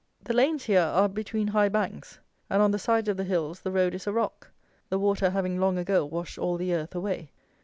The lanes here are between high banks, and on the sides of the hills the road is a rock, the water having long ago washed all the earth away.